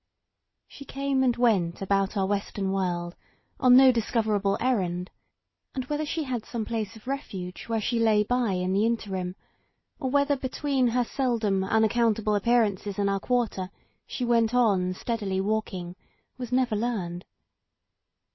She came and went about our western world on no discover able errand, and whether she had some place of refuge where she lay by in the interim, or whether between her seldom, unaccountable appearances in our quarter she went on steadily walking, wa never learned.